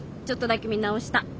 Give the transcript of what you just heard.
ちょっとだけ見直した。